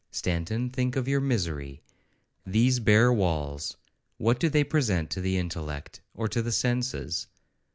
Stanton, think of your misery. These bare walls—what do they present to the intellect or to the senses?